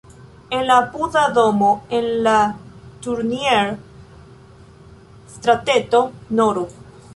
En apuda domo en la Turnier-strateto nr.